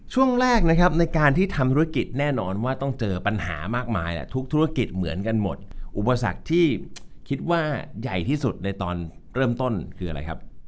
ช่วงแรกนะครับในการที่ทำธุรกิจแน่นอนว่าต้องเจอปัญหามากมายแหละทุกธุรกิจเหมือนกันหมดอุปสรรคที่คิดว่าใหญ่ที่สุดในตอนเริ่มต้นคืออะไรครับ